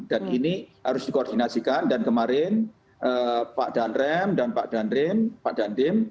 dan ini harus dikoordinasikan dan kemarin pak danrem dan pak danrin pak dandim